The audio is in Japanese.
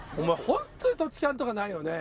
本当に土地勘とかないよね。